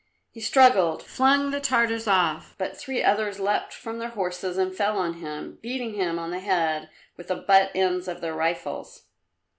He struggled, flung the Tartars off, but three others leapt from their horses and fell on him, beating him on the head with the butt ends of their rifles.